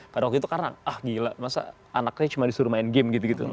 pada waktu itu karena ah gila masa anaknya cuma disuruh main game gitu gitu